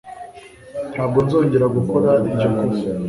Ntabwo nzongera gukora iryo kosa